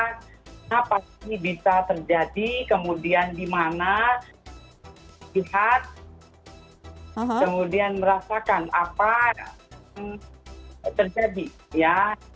karena pasti bisa terjadi kemudian dimana lihat kemudian merasakan apa yang terjadi ya